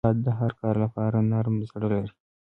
جانداد د هر کار لپاره نرم زړه لري.